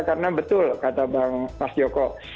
karena betul kata bang joko